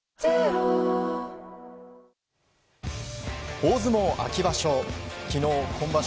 大相撲秋場所。